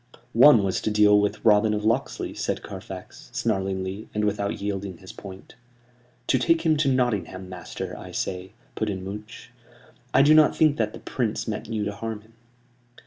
"One was to deal with Robin of Locksley," said Carfax, snarlingly, and without yielding his point. "To take him to Nottingham, master, I say," put in Much. "I do not think that the Prince meant you to harm him."